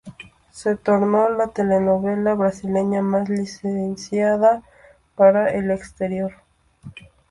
Se tornó la telenovela brasileña más licenciada para el exterior.